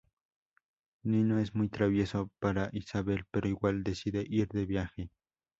Nino es muy travieso para Isabel pero igual decide ir de viaje.